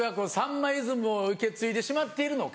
まイズムを受け継いでしまっているのか。